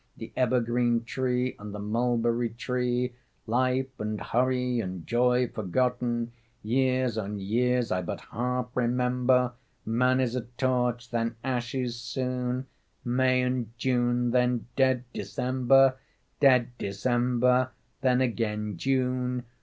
The evergreen tree ... and the mulberry tree ... Life and hurry and joy forgotten, Years on years I but half remember ... Man is a torch, then ashes soon, May and June, then dead December, Dead December, then again June.